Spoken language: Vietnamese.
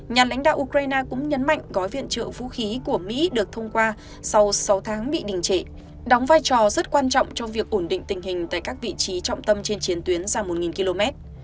nhà lãnh đạo ukraine cũng nhấn mạnh gói viện trợ vũ khí của mỹ được thông qua sau sáu tháng bị đình trị đóng vai trò rất quan trọng trong việc ổn định tình hình tại các vị trí trọng tâm trên chiến tuyến dài một km